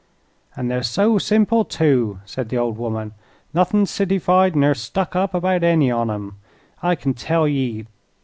"An' they're so simple, too," said the old woman; "nothin' cityfied ner stuck up about any on 'em, I kin tell ye.